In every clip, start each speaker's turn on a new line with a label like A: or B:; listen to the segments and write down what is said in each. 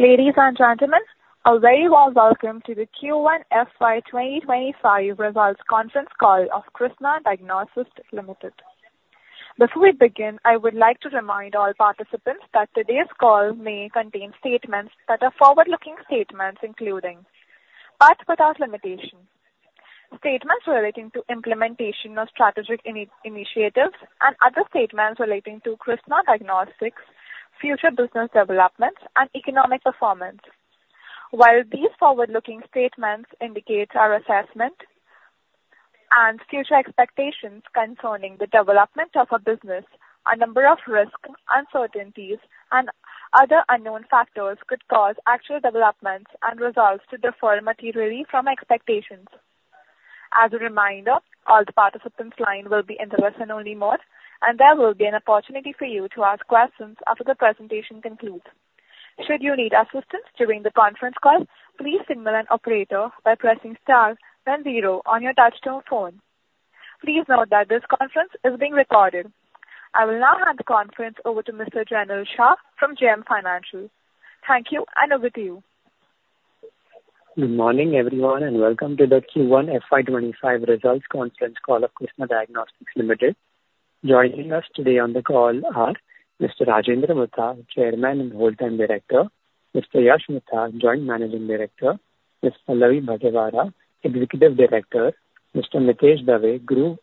A: Ladies and gentlemen, a very warm Welcome to the Q1 FY 2025 Results Conference Call of Krsnaa Diagnostics Limited. Before we begin, I would like to remind all participants that today's call may contain statements that are forward-looking statements, including, but without limitation, statements relating to implementation of strategic initiatives and other statements relating to Krsnaa Diagnostics' future business developments and economic performance. While these forward-looking statements indicate our assessment and future expectations concerning the development of our business, a number of risks, uncertainties, and other unknown factors could cause actual developments and results to differ materially from expectations. As a reminder, all the participants' lines will be in listen-only mode, and there will be an opportunity for you to ask questions after the presentation concludes. Should you need assistance during the conference call, please signal an operator by pressing star then zero on your touch-tone phone. Please note that this conference is being recorded. I will now hand the conference over to Mr. Chintan Shah from JM Financial. Thank you, and over to you.
B: Good morning, everyone, and welcome to the Q1 FY 2025 results conference call of Krsnaa Diagnostics Limited. Joining us today on the call are Mr. Rajendra Mutha, Chairman and Whole Time Director; Mr. Yash Mutha, Joint Managing Director; Ms. Pallavi Bhatevara, Executive Director; Mr. Mitesh Dave, Group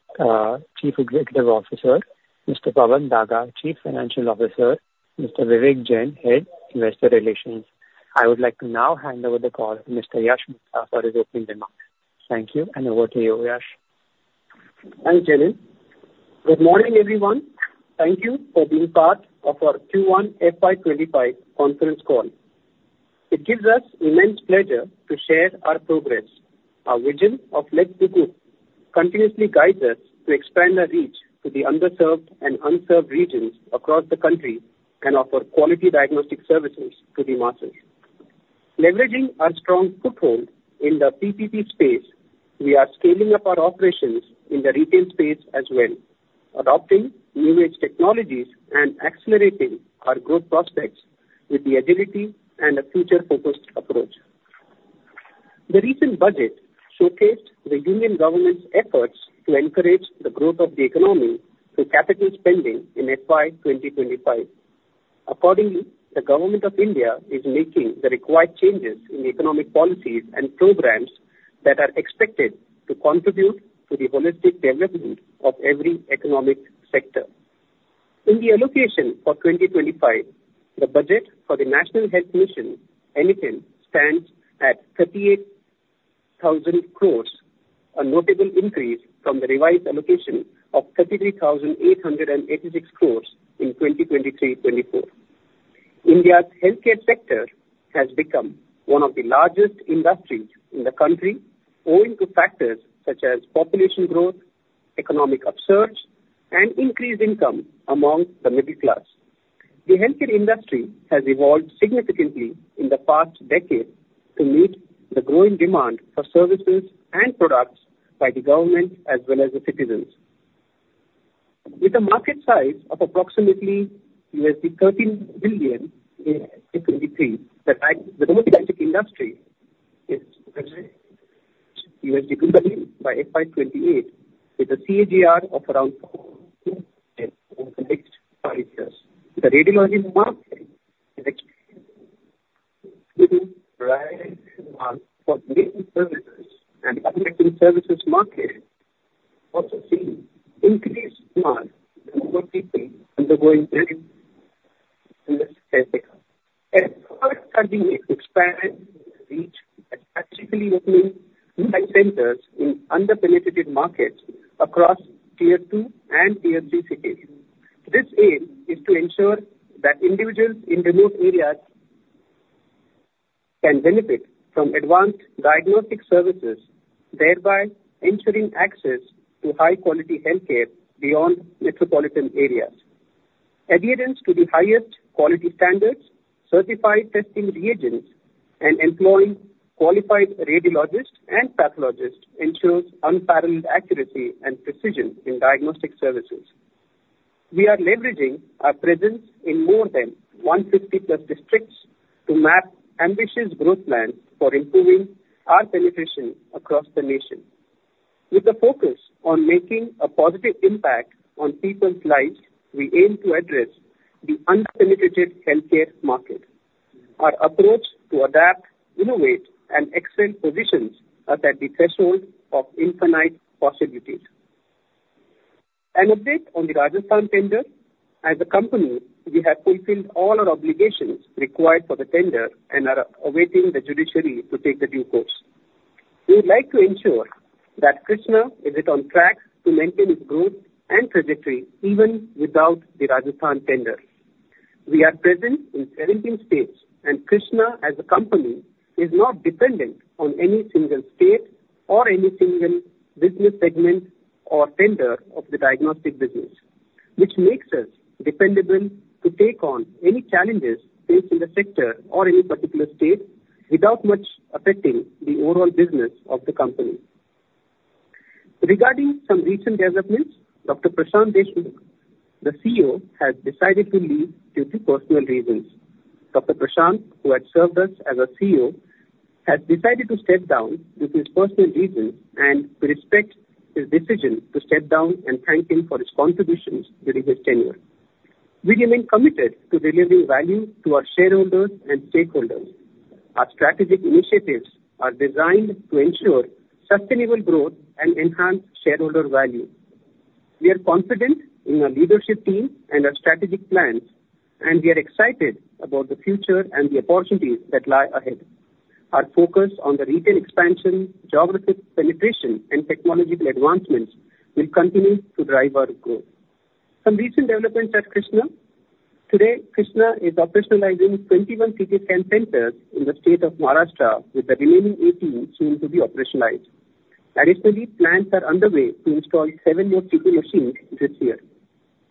B: Chief Executive Officer; Mr. Pawan Daga, Chief Financial Officer; Mr. Vivek Jain, Head, Investor Relations. I would like to now hand over the call to Mr. Yash Mutha for his opening remarks. Thank you, and over to you, Yash.
C: Thanks, Chintan. Good morning, everyone. Thank you for being part of our Q1 FY2025 conference call. It gives us immense pleasure to share our progress. Our vision of Let's Be Good continuously guides us to expand our reach to the underserved and unserved regions across the country and offer quality diagnostic services to the masses. Leveraging our strong foothold in the PPP space, we are scaling up our operations in the retail space as well, adopting new age technologies and accelerating our growth prospects with the agility and a future-focused approach. The recent budget showcased the Indian government's efforts to encourage the growth of the economy through capital spending in FY 2025. Accordingly, the Government of India is making the required changes in economic policies and programs that are expected to contribute to the holistic development of every economic sector. In the allocation for 2025, the budget for the National Health Mission, NHM, stands at 38,000 crores, a notable increase from the revised allocation of 33,886 crores in 2023-2024. India's healthcare sector has become one of the largest industries in the country, owing to factors such as population growth, economic upsurge, and increased income among the middle class. The healthcare industry has evolved significantly in the past decade to meet the growing demand for services and products by the government as well as the citizens. With a market size of approximately $13 billion in 2023, the diagnostic industry is USD globally by FY 2028, with a CAGR of around 2% over the next five years. The radiology market is a... for services and other services market also see increased demand for people undergoing... As far as expanding its reach by strategically opening new centers in underpenetrated markets across Tier Two and Tier Three cities. This aim is to ensure that individuals in remote areas can benefit from advanced diagnostic services, thereby ensuring access to high-quality healthcare beyond metropolitan areas. Adherence to the highest quality standards, certified testing reagents, and employing qualified radiologists and pathologists ensures unparalleled accuracy and precision in diagnostic services. We are leveraging our presence in more than 150+ districts to map ambitious growth plans for improving our penetration across the nation. With a focus on making a positive impact on people's lives, we aim to address the underpenetrated healthcare market. Our approach to adapt, innovate, and excel positions us at the threshold of infinite possibilities. An update on the Rajasthan tender. As a company, we have fulfilled all our obligations required for the tender and are awaiting the judiciary to take the due course. We would like to ensure that Krsnaa is on track to maintain its growth and trajectory even without the Rajasthan tender. We are present in 17 states, and Krsnaa, as a company, is not dependent on any single state or any single business segment or tender of the diagnostic business, which makes us dependable to take on any challenges faced in the sector or any particular state without much affecting the overall business of the company. Regarding some recent developments, Dr. Prashant Deshmukh, the CEO, has decided to leave due to personal reasons. Dr. Prashant, who had served us as our CEO, has decided to step down due to his personal reasons, and we respect his decision to step down and thank him for his contributions during his tenure. We remain committed to delivering value to our shareholders and stakeholders. Our strategic initiatives are designed to ensure sustainable growth and enhance shareholder value. We are confident in our leadership team and our strategic plans, and we are excited about the future and the opportunities that lie ahead. Our focus on the retail expansion, geographic penetration, and technological advancements will continue to drive our growth. Some recent developments at Krsnaa. Today, Krsnaa is operationalizing 21 CT scan centers in the state of Maharashtra, with the remaining 18 soon to be operationalized. Additionally, plans are underway to install 7 more CT machines this year.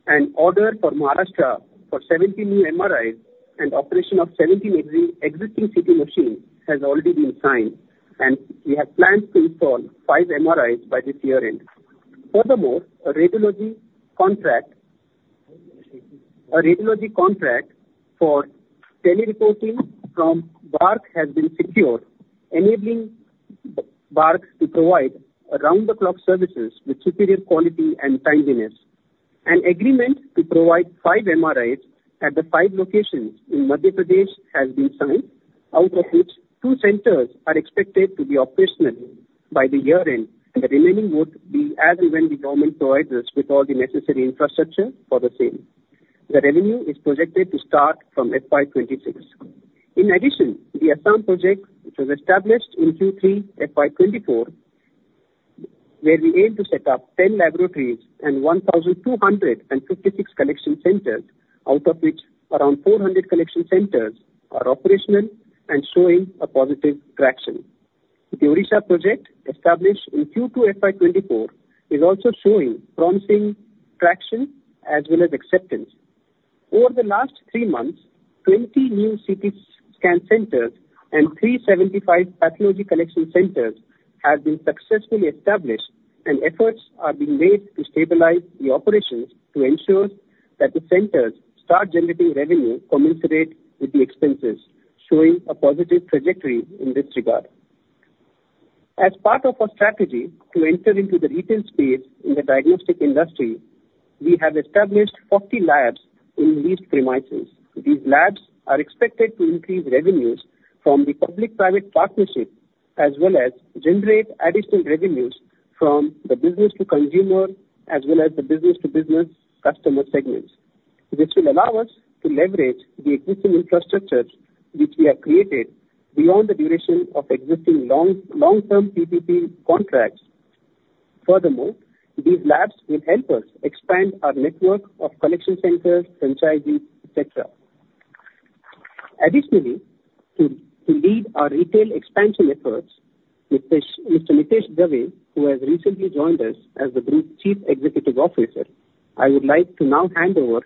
C: An order for Maharashtra for 70 new MRIs and operation of 70 existing CT machines has already been signed, and we have plans to install five MRIs by this year end. Furthermore, a radiology contract, a radiology contract for tele-reporting from BARC has been secured, enabling BARC to provide around-the-clock services with superior quality and timeliness. An agreement to provide five MRIs at the five locations in Madhya Pradesh has been signed, out of which two centers are expected to be operational by the year end, and the remaining would be as and when the government provides us with all the necessary infrastructure for the same. The revenue is projected to start from FY 2026. In addition, the Assam project, which was established in Q3 FY 2024, where we aim to set up 10 laboratories and 1,256 collection centers, out of which around 400 collection centers are operational and showing a positive traction. The Orissa project, established in Q2 FY 2024, is also showing promising traction as well as acceptance. Over the last three months, 20 new CT scan centers and 375 pathology collection centers have been successfully established, and efforts are being made to stabilize the operations to ensure that the centers start generating revenue commensurate with the expenses, showing a positive trajectory in this regard. As part of our strategy to enter into the retail space in the diagnostic industry, we have established 40 labs in leased premises. These labs are expected to increase revenues from the public-private partnership, as well as generate additional revenues from the business-to-consumer, as well as the business-to-business customer segments. This will allow us to leverage the existing infrastructures which we have created beyond the duration of existing long, long-term PPP contracts. Furthermore, these labs will help us expand our network of collection centers, franchisees, et cetera. Additionally, to lead our retail expansion efforts, Mr. Mitesh Dave, who has recently joined us as the Group Chief Executive Officer. I would like to now hand over,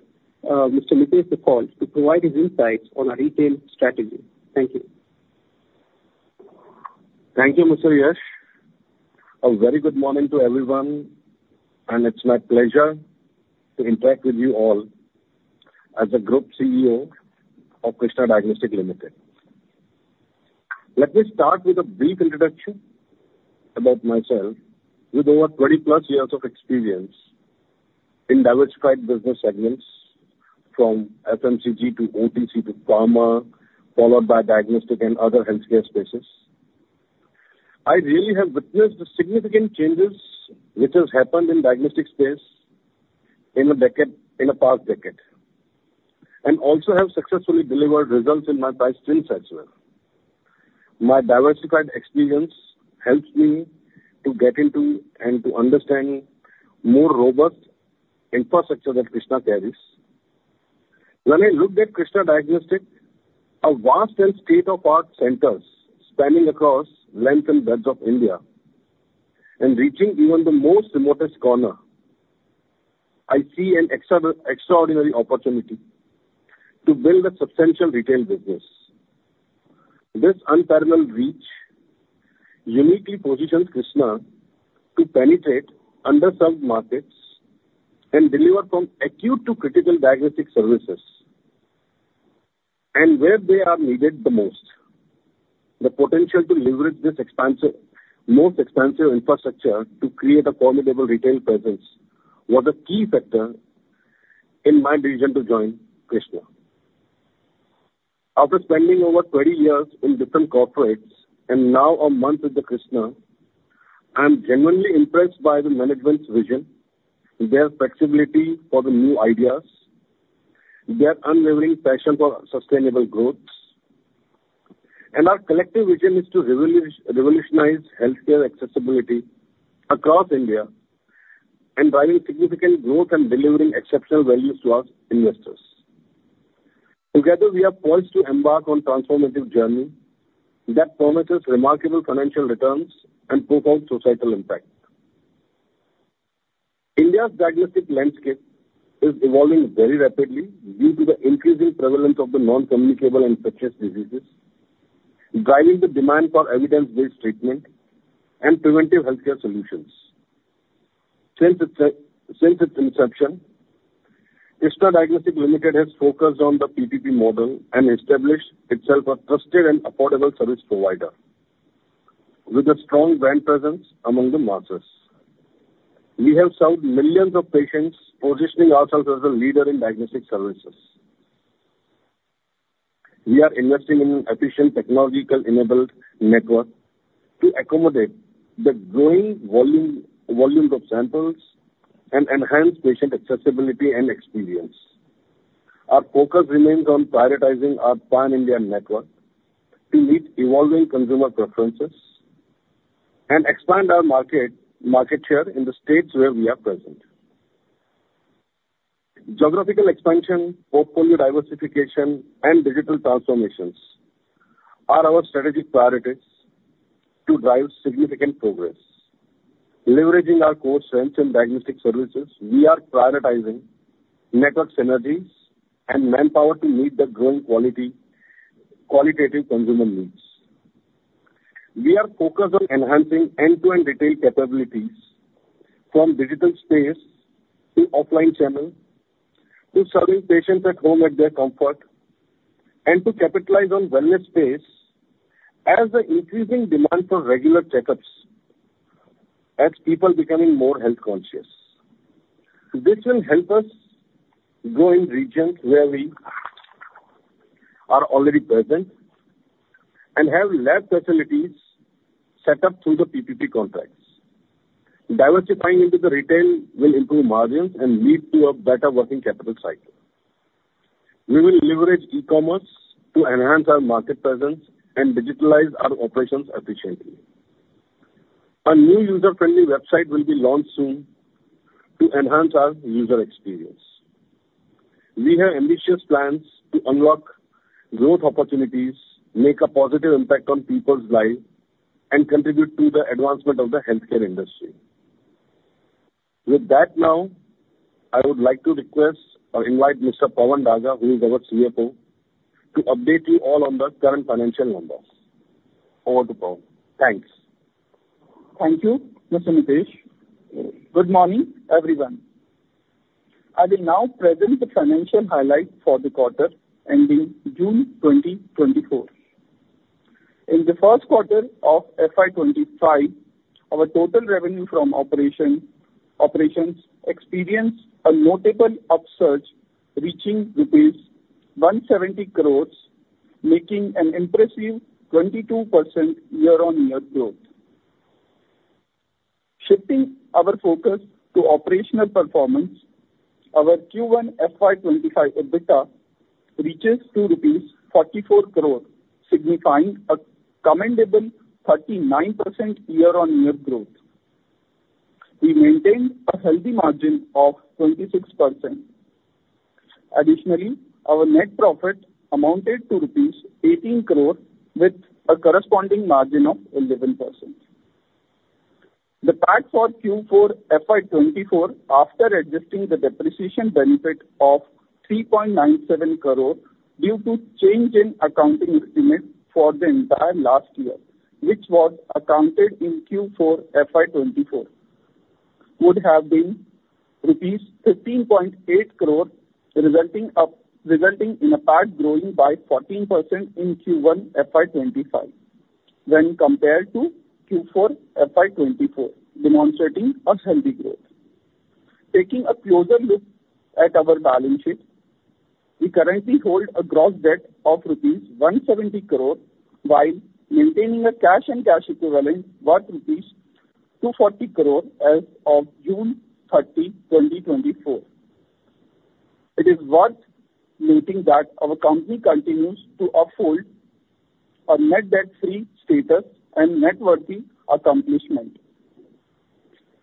C: Mr. Mitesh, the call to provide his insights on our retail strategy. Thank you.
D: Thank you, Mr. Yash. A very good morning to everyone, and it's my pleasure to interact with you all as the Group CEO of Krsnaa Diagnostics Limited. Let me start with a brief introduction about myself. With over 20+ years of experience in diversified business segments, from FMCG to OTC to pharma, followed by diagnostic and other healthcare spaces, I really have witnessed the significant changes which has happened in diagnostic space in a decade, in the past decade, and also have successfully delivered results in my past stints as well. My diversified experience helps me to get into and to understand more robust infrastructure that Krsnaa carries. When I looked at Krsnaa Diagnostic, a vast and state-of-the-art centers spanning across length and breadth of India and reaching even the most remotest corner, I see an extra-extraordinary opportunity to build a substantial retail business. This unparalleled reach uniquely positions Krsnaa to penetrate underserved markets and deliver from acute to critical diagnostic services, and where they are needed the most. The potential to leverage this expansive, most expansive infrastructure to create a formidable retail presence was a key factor in my reason to join Krsnaa. After spending over thirty years in different corporates, and now a month with the Krsnaa, I am genuinely impressed by the management's vision, their flexibility for the new ideas, their unwavering passion for sustainable growth. And our collective vision is to revolutionize healthcare accessibility across India and driving significant growth and delivering exceptional value to our investors. Together, we are poised to embark on transformative journey that promises remarkable financial returns and profound societal impact.... India's diagnostic landscape is evolving very rapidly due to the increasing prevalence of the non-communicable and infectious diseases, driving the demand for evidence-based treatment and preventive healthcare solutions. Since its inception, Krsnaa Diagnostics Limited has focused on the PPP model and established itself a trusted and affordable service provider with a strong brand presence among the masses. We have served millions of patients, positioning ourselves as a leader in diagnostic services. We are investing in efficient technology-enabled network to accommodate the growing volumes of samples and enhance patient accessibility and experience. Our focus remains on prioritizing our pan-Indian network to meet evolving consumer preferences and expand our market share in the states where we are present. Geographical expansion, portfolio diversification, and digital transformations are our strategic priorities to drive significant progress. Leveraging our core strengths in diagnostic services, we are prioritizing network synergies and manpower to meet the growing quality, qualitative consumer needs. We are focused on enhancing end-to-end retail capabilities from digital space to offline channel, to serving patients at home at their comfort, and to capitalize on wellness space as the increasing demand for regular checkups, as people becoming more health conscious. This will help us grow in regions where we are already present and have lab facilities set up through the PPP contracts. Diversifying into the retail will improve margins and lead to a better working capital cycle. We will leverage e-commerce to enhance our market presence and digitalize our operations efficiently. A new user-friendly website will be launched soon to enhance our user experience. We have ambitious plans to unlock growth opportunities, make a positive impact on people's lives, and contribute to the advancement of the healthcare industry. With that now, I would like to request or invite Mr. Pawan Daga, who is our CFO, to update you all on the current financial numbers. Over to Pawan. Thanks.
E: Thank you, Mr. Mitesh. Good morning, everyone. I will now present the financial highlights for the quarter ending June 2024. In the first quarter of FY 2025, our total revenue from operations experienced a notable upsurge, reaching rupees 170 crores, making an impressive 22% year-on-year growth. Shifting our focus to operational performance, our Q1 FY 2025 EBITDA reaches to rupees 44 crore, signifying a commendable 39% year-on-year growth. We maintain a healthy margin of 26%. Additionally, our net profit amounted to rupees 18 crore with a corresponding margin of 11%. The PAT for Q4 FY 2024, after adjusting the depreciation benefit of 3.97 crore due to change in accounting estimate for the entire last year, which was accounted in Q4 FY 2024, would have been rupees 15.8 crore, resulting in a PAT growing by 14% in Q1 FY 2025 when compared to Q4 FY 2024, demonstrating a healthy growth. Taking a closer look at our balance sheet, we currently hold a gross debt of rupees 170 crore, while maintaining a cash and cash equivalent worth rupees 240 crore as of June 30, 2024. It is worth noting that our company continues to uphold a net debt-free status and noteworthy accomplishment.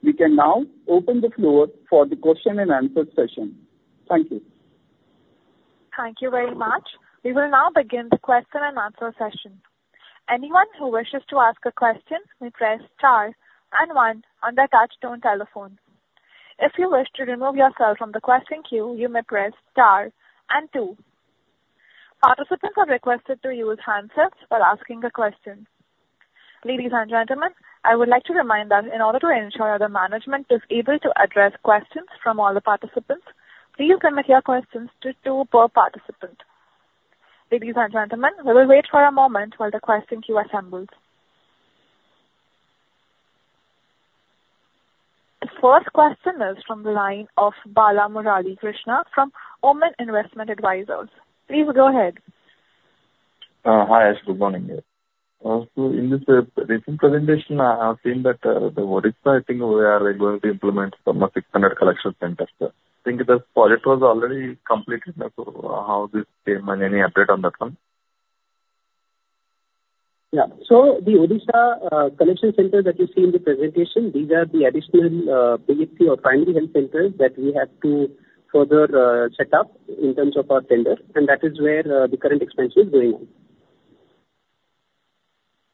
E: We can now open the floor for the question and answer session. Thank you.
A: Thank you very much. We will now begin the question-and-answer session. Anyone who wishes to ask a question may press star and one on their touchtone telephone. If you wish to remove yourself from the question queue, you may press star and two. Participants are requested to use handsets while asking a question. Ladies and gentlemen, I would like to remind that in order to ensure the management is able to address questions from all the participants, please limit your questions to two per participant. Ladies and gentlemen, we will wait for a moment while the question queue assembles. The first question is from the line of Balamurali Krsnaa from Oman Investment Advisors. Please go ahead.
F: Hi, good morning. So in this recent presentation, I have seen that, the Odisha, I think we are going to implement some of 600 collection centers. I think the project was already completed. So how this came and any update on that one?
C: Yeah. So the Odisha collection center that you see in the presentation, these are the additional PHC or primary health centers that we have to further set up in terms of our tender, and that is where the current expansion is going on. ...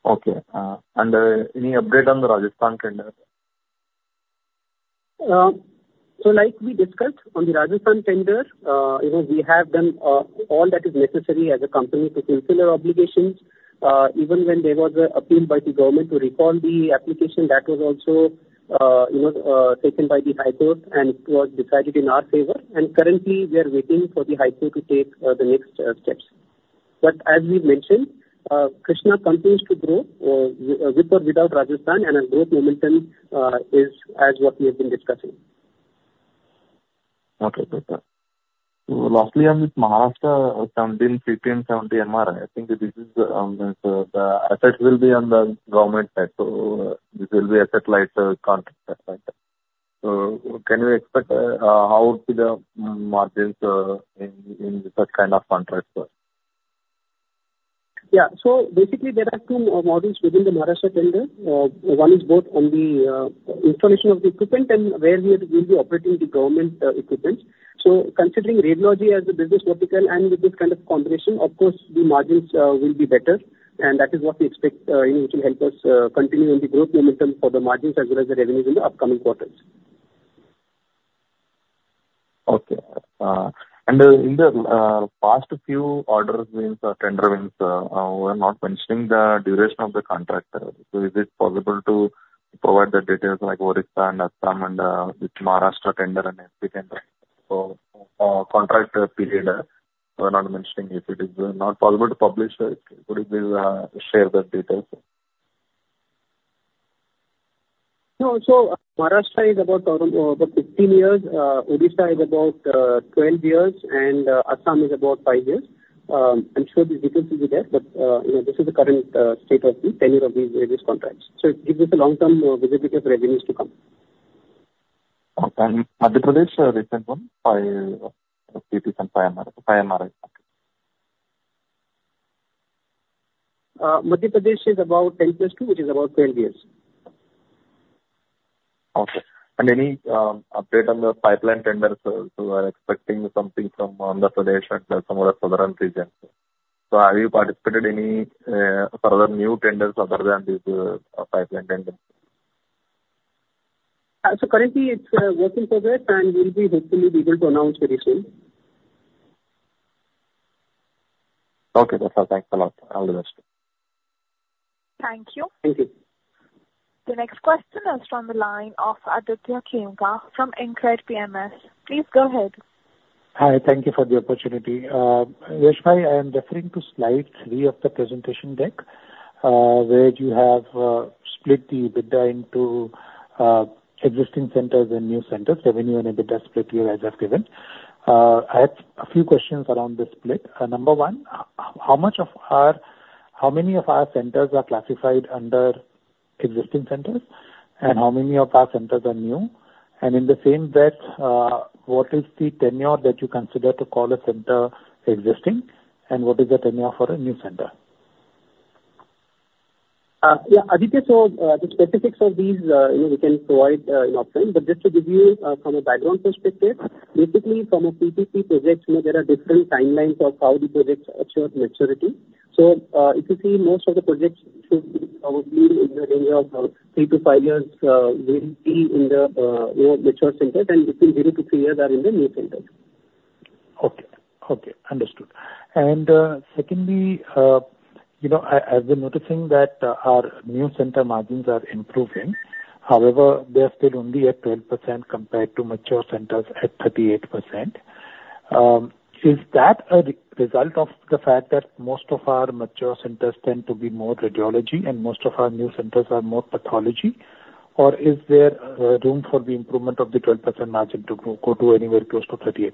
F: Okay. Any update on the Rajasthan tender?
C: So like we discussed on the Rajasthan tender, you know, we have done all that is necessary as a company to fulfill our obligations. Even when there was an appeal by the government to recall the application, that was also, you know, taken by the High Court, and it was decided in our favor, and currently we are waiting for the High Court to take the next steps. But as we mentioned, Krsnaa continues to grow, with or without Rajasthan, and our growth momentum is as what we have been discussing.
F: Okay, perfect. So lastly, on this Maharashtra 17, 15, 70 MRI, I think this is, the assets will be on the government side, so this will be asset light contract perspective. So can we expect, how the margins, in such kind of contracts?
C: Yeah. So basically there are two models within the Maharashtra tender. One is both on the installation of the equipment and where we will be operating the government equipment. So considering radiology as a business vertical and with this kind of combination, of course, the margins will be better, and that is what we expect, you know, which will help us continue on the growth momentum for the margins as well as the revenues in the upcoming quarters.
F: Okay. In the past few orders wins or tender wins, we're not mentioning the duration of the contract. So is it possible to provide the details like Odisha and Assam and which Maharashtra tender and MP tender? So, contract period, we're not mentioning if it is not possible to publish it. Could you please share the details?
C: No. So Maharashtra is about around, about 15 years, Odisha is about, 12 years, and Assam is about five years. I'm sure the details will be there, but, you know, this is the current, state of the tenure of these, these contracts. So it gives us a long-term, visibility of revenues to come.
F: Okay. Madhya Pradesh, recent one, five, five MRI, five MRI.
C: Madhya Pradesh is about 8 + 2, which is about 12 years.
F: Okay. Any update on the pipeline tenders, so we're expecting something from Andhra Pradesh and some of the southern regions? Have you participated any further new tenders other than these pipeline tenders?
C: So, currently it's working for that, and we'll hopefully be able to announce very soon.
F: Okay, that's all. Thanks a lot. All the best.
A: Thank you.
F: Thank you.
A: The next question is from the line of Aditya Khemka from InCred PMS. Please go ahead.
G: Hi, thank you for the opportunity. Yash, I am referring to slide 3 of the presentation deck, where you have split the EBITDA into existing centers and new centers, revenue and EBITDA split here as I've given. I have a few questions around this split. Number one, how much of our... How many of our centers are classified under existing centers, and how many of our centers are new? And in the same breath, what is the tenure that you consider to call a center existing, and what is the tenure for a new center?
C: Yeah, Aditya, so, the specifics of these, you know, we can provide in offline. But just to give you, from a background perspective, basically from a PPP project, you know, there are different timelines of how the projects achieve maturity. So, if you see most of the projects should be in the range of 3-5 years, will be in the more mature centers, and between 0-3 years are in the new centers.
G: Okay. Okay, understood. And, secondly, you know, I, I've been noticing that our new center margins are improving. However, they are still only at 12% compared to mature centers at 38%. Is that a result of the fact that most of our mature centers tend to be more radiology and most of our new centers are more pathology? Or is there room for the improvement of the 12% margin to go to anywhere close to 38%?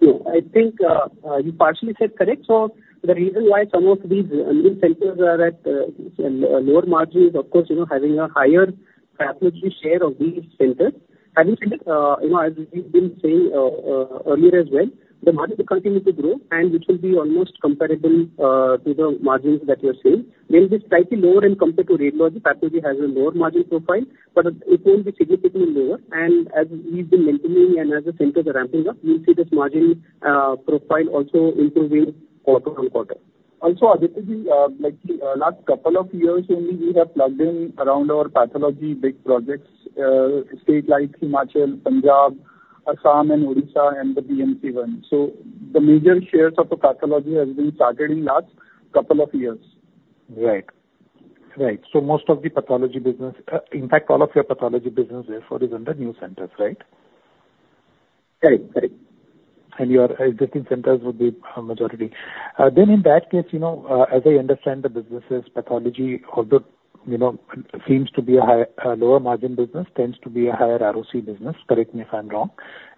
C: Yeah, I think you partially said correct. So the reason why some of these new centers are at lower margin is, of course, you know, having a higher pathology share of these centers. Having said that, you know, as we've been saying earlier as well, the margins continue to grow, and which will be almost comparable to the margins that you're seeing. Maybe slightly lower and compared to radiology, pathology has a lower margin profile, but it won't be significantly lower. And as we've been mentioning, and as the centers are ramping up, we'll see this margin profile also improving quarter-on-quarter. Also, Aditya, the, like, the last couple of years only, we have plugged in around our pathology big projects, state like Himachal, Punjab, Assam and Odisha, and the BMC one. So the major shares of the pathology has been started in last couple of years.
G: Right. Right. So most of the pathology business, in fact, all of your pathology business therefore is under new centers, right?
C: Correct, correct.
G: Your existing centers would be a majority. Then in that case, you know, as I understand the businesses, pathology, although, you know, seems to be a high, a lower margin business, tends to be a higher ROC business. Correct me if I'm wrong.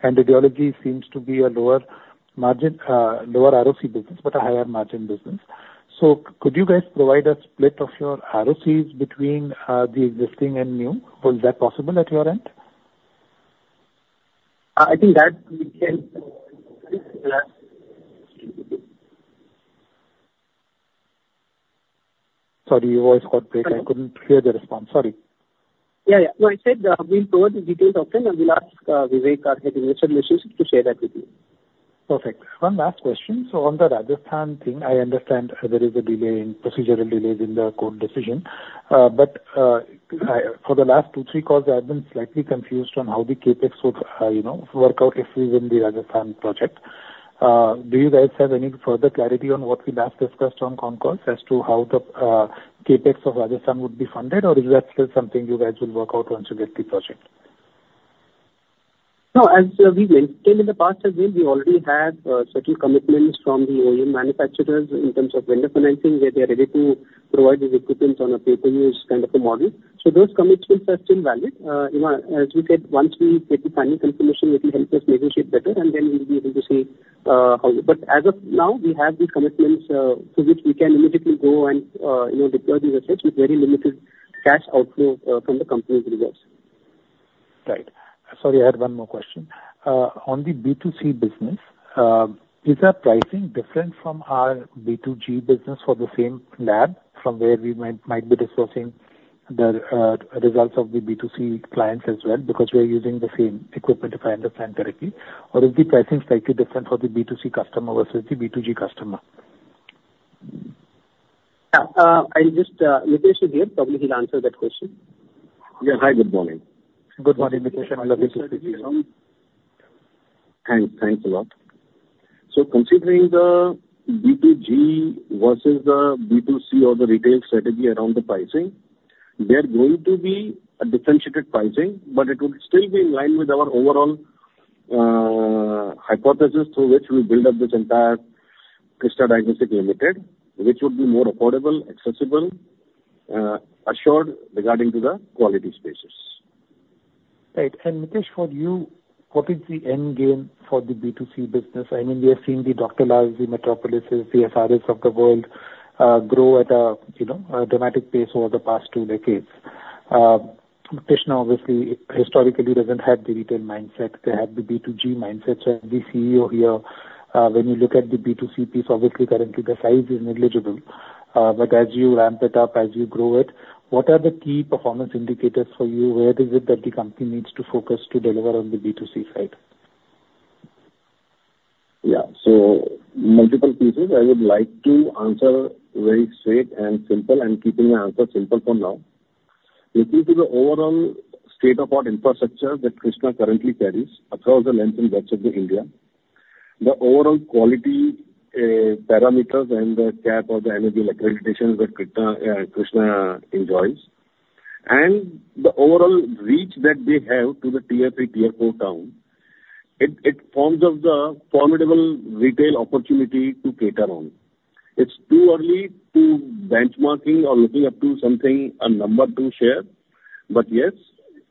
G: And radiology seems to be a lower margin, lower ROC business, but a higher margin business. So could you guys provide a split of your ROCs between the existing and new? Or is that possible at your end?
C: I think that we can, yes, we could do.
G: Sorry, your voice got broke. I couldn't hear the response. Sorry....
C: Yeah, yeah. So I said, we'll provide the details of them, and we'll ask Vivek, our Head of Investor Relations, to share that with you.
G: Perfect. One last question. So on the Rajasthan thing, I understand there is a delay in procedural delays in the court decision. But for the last two, three calls, I've been slightly confused on how the CapEx would, you know, work out if we win the Rajasthan project. Do you guys have any further clarity on what we last discussed on concalls as to how the CapEx of Rajasthan would be funded, or is that still something you guys will work out once you get the project?
C: No, as we mentioned in the past as well, we already have certain commitments from the OEM manufacturers in terms of vendor financing, where they are ready to provide the equipment on a pay-per-use kind of a model. So those commitments are still valid. You know, as we said, once we get the final confirmation, it will help us negotiate better, and then we'll be able to see how. But as of now, we have the commitments to which we can immediately go and, you know, deploy the assets with very limited cash outflow from the company's reserves.
G: Right. Sorry, I had one more question. On the B2C business, is our pricing different from our B2G business for the same lab from where we might be sourcing the results of the B2C clients as well? Because we are using the same equipment, if I understand correctly. Or is the pricing slightly different for the B2C customer versus the B2G customer?
C: Mitesh is here. Probably he'll answer that question.
D: Yeah. Hi, good morning.
F: Good morning, Mitesh. Hello, Mitesh.
D: Thanks. Thanks a lot. So considering the B2G versus the B2C or the retail strategy around the pricing, there are going to be a differentiated pricing, but it would still be in line with our overall, hypothesis through which we build up this entire Krsnaa Diagnostics Limited, which would be more affordable, accessible, assured regarding to the quality spaces.
G: Right. And Mitesh, for you, what is the end game for the B2C business? I mean, we have seen the Dr. Lal, the Metropolises, the SRS of the world, grow at a, you know, a dramatic pace over the past two decades. Krsnaa obviously historically doesn't have the retail mindset. They have the B2G mindset. So as the CEO here, when you look at the B2C piece, obviously currently the size is negligible. But as you ramp it up, as you grow it, what are the key performance indicators for you? Where is it that the company needs to focus to deliver on the B2C side?
D: Yeah. So multiple pieces I would like to answer very straight and simple and keeping the answer simple for now. Looking to the overall state of our infrastructure that Krsnaa currently carries across the length and breadth of India, the overall quality parameters and the CAP or the NABL accreditation that Krsnaa, Krsnaa enjoys, and the overall reach that we have to the Tier Three, Tier Four town, it forms up the formidable retail opportunity to cater on. It's too early to benchmarking or looking up to something, a number two share, but yes,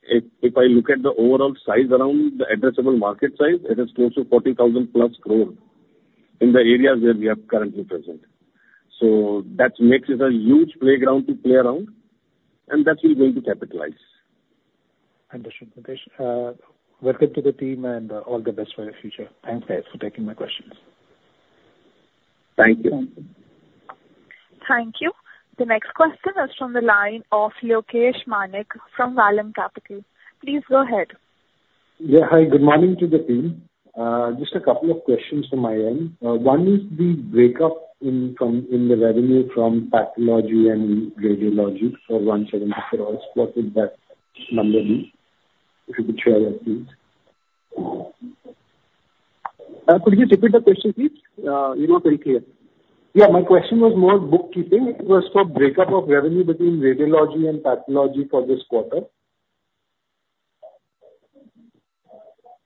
D: if I look at the overall size around the addressable market size, it is close to 40,000+ crore in the areas where we are currently present. So that makes it a huge playground to play around, and that we're going to capitalize.
G: Understood, Mitesh. Welcome to the team and all the best for the future. Thanks, guys, for taking my questions.
D: Thank you.
A: Thank you. The next question is from the line of Lokesh Maru from Vallum Capital. Please go ahead.
H: Yeah, hi. Good morning to the team. Just a couple of questions from my end. One is the break-up of revenue from pathology and radiology. What would that number be? If you could share that, please.
C: Could you repeat the question, please? You're not very clear.
H: Yeah, my question was more bookkeeping. It was for breakup of revenue between radiology and pathology for this quarter.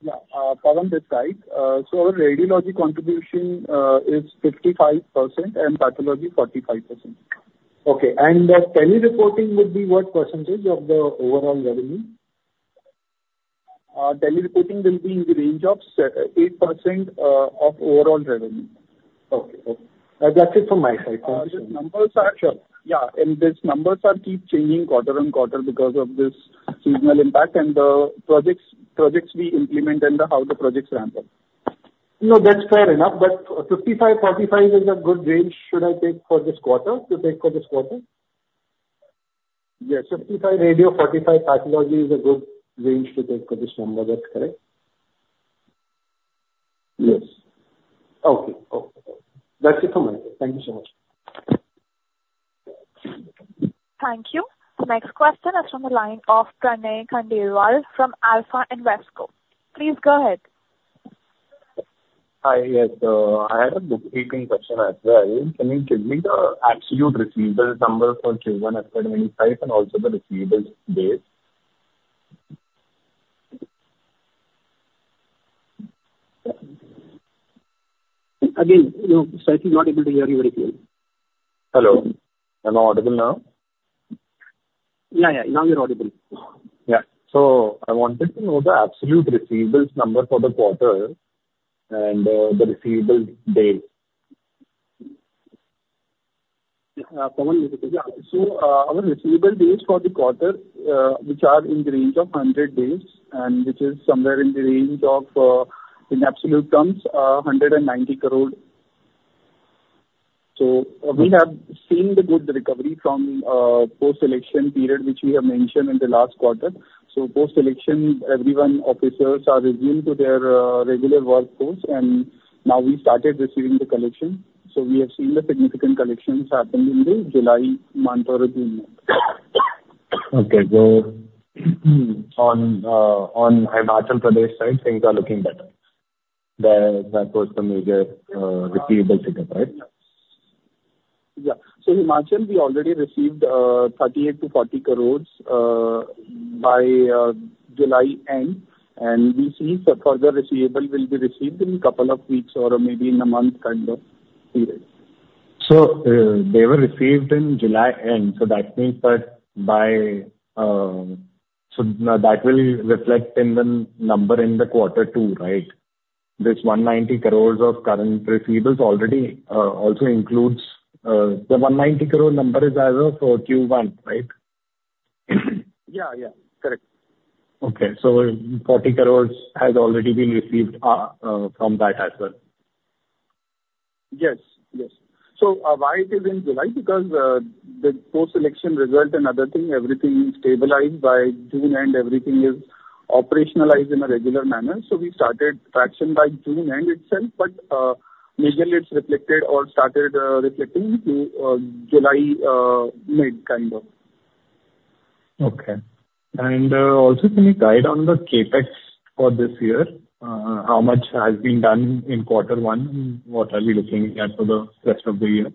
C: Yeah, Param, that's right. So our radiology contribution is 55% and pathology, 45%.
H: Okay. The tele-reporting would be what percentage of the overall revenue?
C: Tele-reporting will be in the range of 8% of overall revenue.
H: Okay. Okay. That's it from my side.
C: números are-
H: Sure.
C: Yeah, and these numbers keep changing quarter-over-quarter because of this seasonal impact and the projects we implement and how the projects ramp up.
H: No, that's fair enough, but 55, 45 is a good range, should I take for this quarter, to take for this quarter?
C: Yeah, 55 radio, 45 pathology is a good range to take for this number. That's correct?
D: Yes.
H: Okay. Okay. That's it from my end. Thank you so much.
A: Thank you. The next question is from the line of Pranay Khandelwal from Alpha Invesco. Please go ahead.
I: Hi. Yes, I had a bookkeeping question as well. Can you give me the absolute receivables number for Q1 at many sites and also the receivables base?
C: Again, you, sorry, I cannot hear you very clear.
I: Hello, am I audible now?
C: Yeah, yeah, now you're audible.
I: Yeah. So I wanted to know the absolute receivables number for the quarter and the receivables days?
C: Yeah, Param, yeah. So, our receivable days for the quarter, which are in the range of 100 days, and which is somewhere in the range of, in absolute terms, 190 crore. So, we have seen the good recovery from post-election period, which we have mentioned in the last quarter. So post-election, everyone, officers are resumed to their regular workforce, and now we started receiving the collection. So we have seen the significant collections happen in the July month or June month.
I: Okay. So on, on Himachal Pradesh side, things are looking better. There, that was the major, receivable ticket, right?
C: Yeah. So Himachal, we already received 38-40 crores by July end, and we see the further receivable will be received in couple of weeks or maybe in a month kind of period.
I: So, they were received in July end, so that means that by that will reflect in the number in the quarter two, right? This 190 crores of current receivables already also includes the 190 crore number is as of for Q1, right?
C: Yeah, yeah. Correct.
I: Okay. So 40 crore has already been received from that as well?
C: Yes, yes. So, why it is in July? Because, the post-election result and other thing, everything is stabilized by June, and everything is operationalized in a regular manner. So we started collection by June end itself, but, majorly it's reflected or started, reflecting to, July, mid, kind of.
I: Okay. And, also can you guide on the CapEx for this year? How much has been done in quarter one, and what are we looking at for the rest of the year?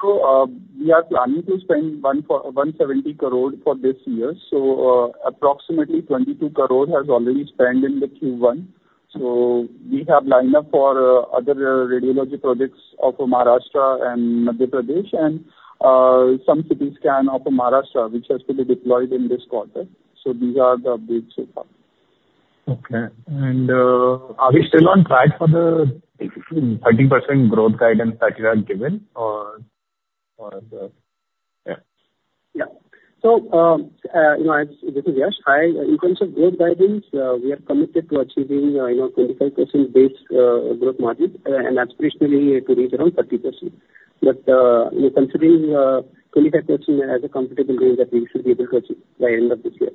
C: So, we are planning to spend 170 crore for this year. So, approximately 22 crore has already spent in the Q1. So we have lined up for other radiology projects of Maharashtra and Madhya Pradesh and some cities scan of Maharashtra, which has to be deployed in this quarter. So these are the updates so far.
I: Okay. And, are we still on track for the 30% growth guidance that you have given or the, yeah?
C: Yeah. So, you know, as this is Yash. In terms of growth guidance, we are committed to achieving, you know, 25% base growth margin, and aspirationally to reach around 30%. But, we're considering, 25% as a comfortable range that we should be able to achieve by end of this year.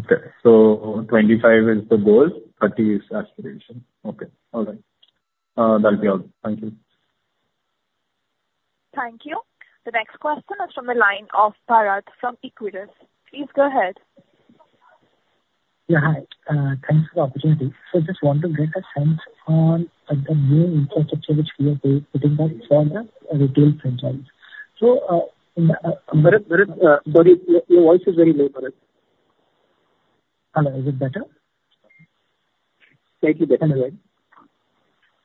I: Okay. So 25 is the goal, 30 is aspiration. Okay, all right. That'll be all. Thank you.
A: Thank you. The next question is from the line of Bharat from Equirus. Please go ahead.
J: Yeah, hi. Thanks for the opportunity. So just want to get a sense on the new infrastructure which we are building back for the retail franchise. So,
C: Bharat, Bharat, Bharat, your voice is very low, Bharat.
J: Hello, is it better?
C: Slightly better.
J: All right.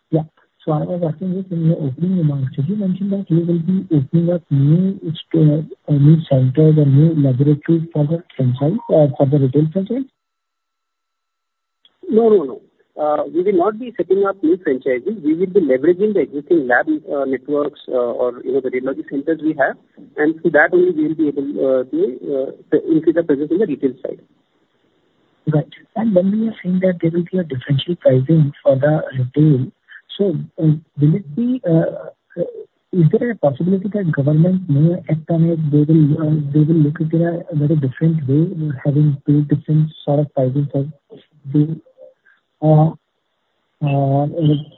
J: Yeah. So I was asking you, in your opening remarks, you mentioned that you will be opening up new stores, new centers or new laboratories for the franchise or for the retail franchise?
C: No, no, no. We will not be setting up new franchises. We will be leveraging the existing lab networks, or, you know, the radiology centers we have. And through that only we will be able to increase the presence in the retail side.
J: Got you. And when we are saying that there will be a differential pricing for the retail, so, will it be, is there a possibility that government may at some point, they will, they will look at it a, in a different way, having two different sort of pricing for the,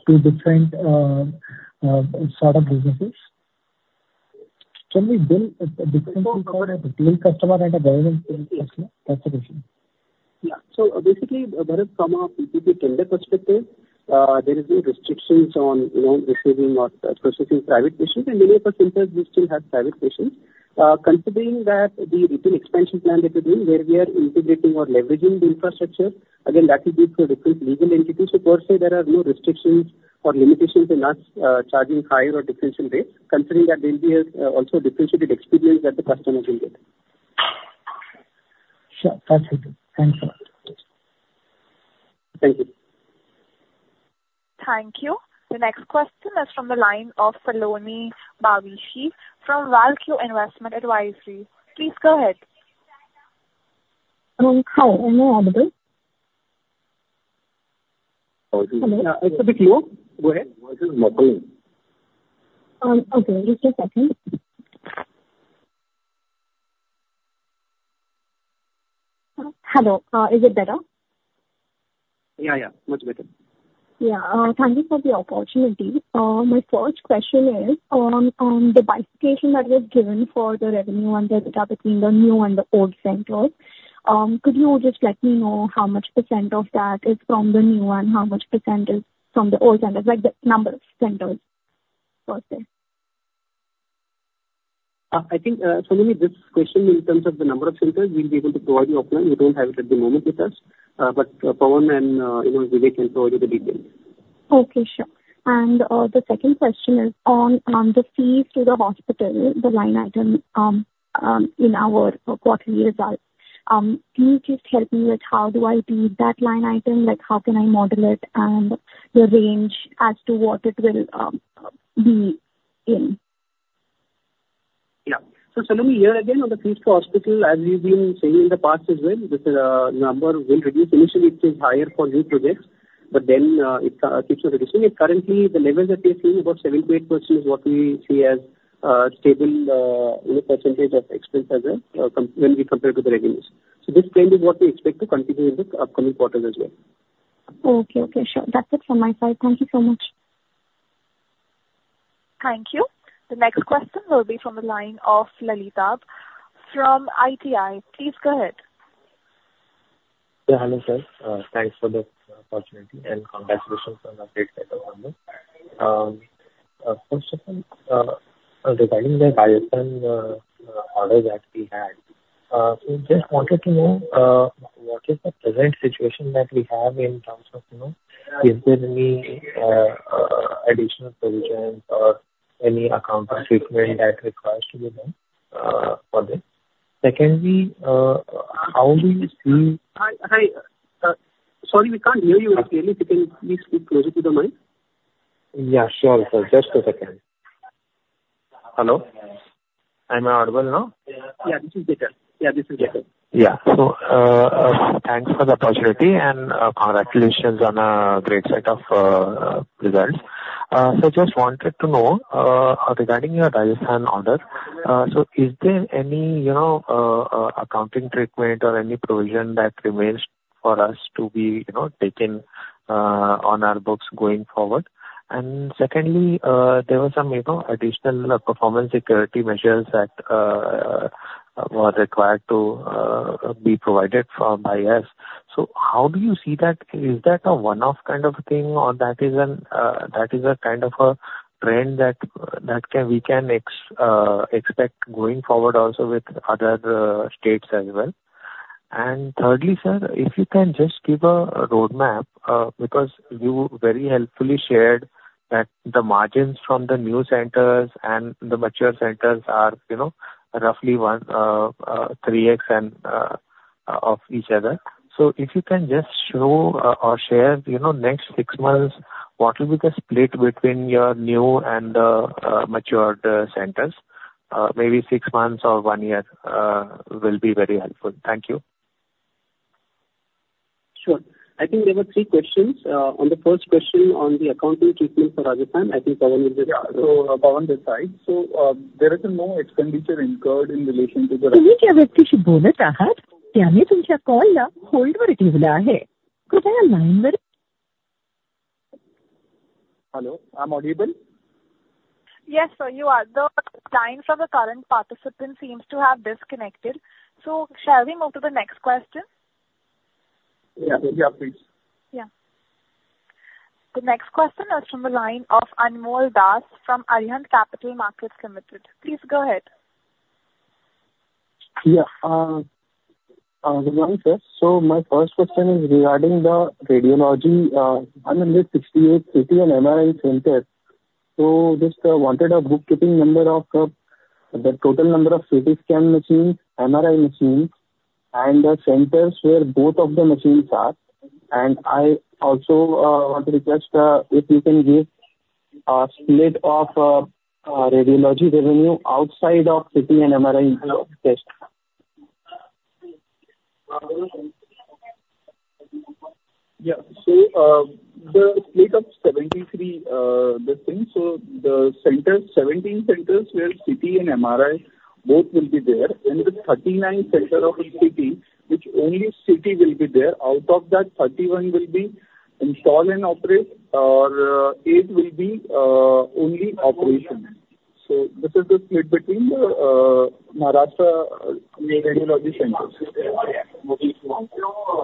J: two different, sort of businesses? Can we build a different between customer and a government patient? That's the question.
C: Yeah. So basically, Bharat, from a PPP tender perspective, there is no restrictions on, you know, receiving or processing private patients. In many of our centers, we still have private patients. Considering that the retail expansion plan that we're doing, where we are integrating or leveraging the infrastructure, again, that will be through a different legal entity. So per se, there are no restrictions or limitations in us charging higher or differential rates, considering that there'll be a also a differentiated experience that the customers will get.
J: Sure. That's okay. Thanks a lot.
C: Thank you.
A: Thank you. The next question is from the line of Saloni Bavishi from Val-Q Investment Advisory. Please go ahead.
K: Hi, am I audible? Hello.
C: It's a bit low. Go ahead.
D: Voice is muffled.
K: Okay, just a second. Hello, is it better?
C: Yeah, yeah. Much better.
K: Yeah, thank you for the opportunity. My first question is on the bifurcation that you have given for the revenue and the gap between the new and the old centers. Could you just let me know how much percent of that is from the new one, and how much percent is from the old centers, like the number of centers, first there?
C: I think, Saloni, this question in terms of the number of centers, we'll be able to provide you offline. We don't have it at the moment with us, but, you know, Pawan and Vivek can provide you the details.
K: Okay, sure. And the second question is on the fees to the hospital, the line item in our quarterly result. Can you just help me with how do I read that line item? Like, how can I model it and the range as to what it will be in?...
C: Yeah. So Saloni, here again, on the fees to hospital, as we've been saying in the past as well, this number will reduce. Initially, it is higher for new projects, but then it keeps on reducing. And currently, the level that we are seeing, about 78%, is what we see as stable, you know, percentage of expense as well, when we compare to the revenues. So this trend is what we expect to continue in the upcoming quarters as well.
K: Okay. Okay, sure. That's it from my side. Thank you so much.
A: Thank you. The next question will be from the line of Lalitab from ITI. Please go ahead.
L: Yeah, hello, sir. Thanks for the opportunity, and congratulations on updates that are on there. First of all, regarding the Rajasthan order that we had, we just wanted to know what is the present situation that we have in terms of, you know, is there any additional provisions or any account treatment that requires to be done for this? Secondly, how do you see-
C: Hi, hi. Sorry, we can't hear you clearly. Could you please speak closer to the mic?
L: Yeah, sure, sir. Just a second. Hello, I'm audible now?
C: Yeah, this is better. Yeah, this is better.
L: Yeah. So, thanks for the opportunity and congratulations on a great set of results. So just wanted to know, regarding your Rajasthan order, so is there any, you know, accounting treatment or any provision that remains for us to be, you know, taken on our books going forward? And secondly, there were some, you know, additional performance security measures that were required to be provided from us. So how do you see that? Is that a one-off kind of thing, or that is a kind of a trend that we can expect going forward also with other states as well? Thirdly, sir, if you can just give a roadmap, because you very helpfully shared that the margins from the new centers and the mature centers are, you know, roughly one, 3x and of each other. So if you can just show or share, you know, next six months, what will be the split between your new and matured centers? Maybe six months or one year will be very helpful. Thank you.
C: Sure. I think there were three questions. On the first question, on the accounting treatment for Rajasthan, I think Pawan will just-
E: Yeah. So, Pawan this side. So, there is no expenditure incurred in relation to the- Hello, I'm audible?
A: Yes, sir, you are. The line from the current participant seems to have disconnected, so shall we move to the next question?
E: Yeah. Yeah, please.
A: Yeah. The next question is from the line of Anmol Das from Arihant Capital Markets Limited. Please go ahead.
M: Yeah. Good morning, sir. So my first question is regarding the radiology, 168 CT and MRI centers. So just wanted a bookkeeping number of the total number of CT scan machines, MRI machines, and the centers where both of the machines are. And I also want to request if you can give a split of radiology revenue outside of CT and MRI.
E: Yeah. So, the split of 73, the thing, so the centers, 17 centers where CT and MRI, both will be there. In the 39 center of CT, which only CT will be there, out of that, 31 will be install and operate, or, eight will be only operation. So this is the split between Maharashtra radiology centers.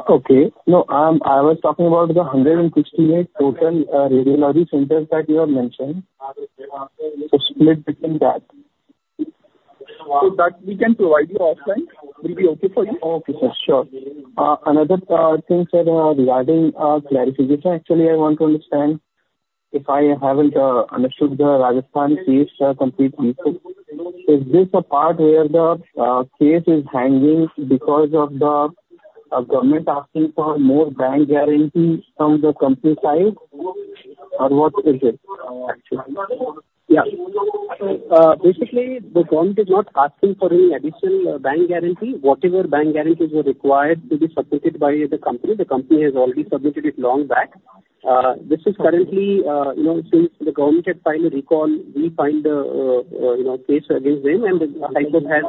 M: Okay. No, I was talking about the 168 total radiology centers that you have mentioned. The split between that.
E: So that we can provide you offline. Will be okay for you?
M: Okay, sir. Sure. Another thing, sir, regarding clarification. Actually, I want to understand, if I haven't understood the Rajasthan case completely. Is this a part where the case is hanging because of the government asking for more bank guarantee from the company side? Or what is it actually?
C: Yeah. So, basically, the government is not asking for any additional bank guarantee. Whatever bank guarantees were required to be submitted by the company, the company has already submitted it long back. This is currently, you know, since the government had filed a recall, we filed a, you know, case against them, and the high court has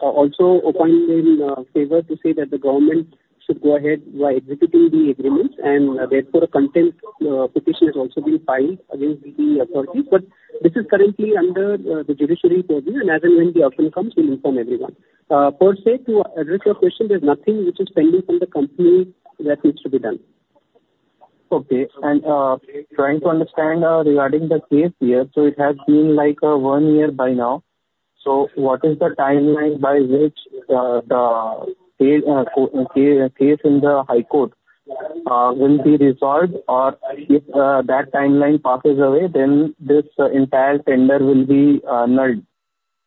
C: also opened in favor to say that the government should go ahead by executing the agreements. And therefore, a contempt petition has also been filed against the authorities. But this is currently under the judiciary process, and as and when the outcome comes, we'll inform everyone. Per se, to address your question, there's nothing which is pending from the company that needs to be done.
M: Okay. Trying to understand regarding the case here, so it has been, like, one year by now. So what is the timeline by which the case in the high court will be resolved? Or if that timeline passes away, then this entire tender will be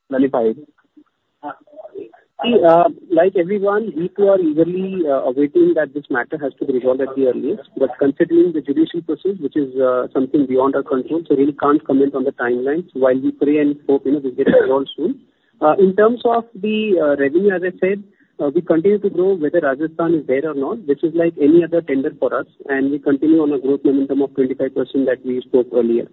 M: nullified?
C: See, like everyone, we too are eagerly awaiting that this matter has to be resolved at the earliest. But considering the judicial process, which is something beyond our control, so we can't comment on the timelines while we pray and hope, you know, we get a resolve soon. In terms of the revenue, as I said, we continue to grow, whether Rajasthan is there or not, this is like any other tender for us, and we continue on a growth momentum of 25% that we spoke earlier.